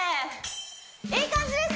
いい感じです